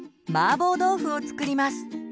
マーボー豆腐を作ります。